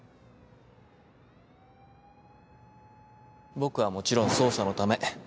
僕はもちろん捜査のため。